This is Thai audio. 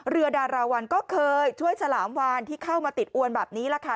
ดาราวันก็เคยช่วยฉลามวานที่เข้ามาติดอวนแบบนี้แหละค่ะ